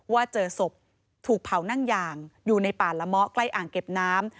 ว่าเจอศพถูกเผานั่งยางอยู่ในป่าละเมาะใกล้อ่างเก็บน้ำ